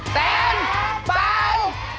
แสนบาท